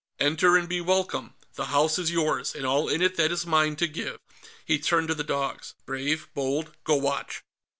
"Enter and be welcome; the house is yours, and all in it that is mine to give." He turned to the dogs. "Brave, Bold; go watch."